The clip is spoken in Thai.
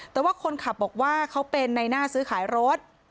แต่ว่าคนขับบอกว่าเขาเป็นในหน้าซื้อขายรถ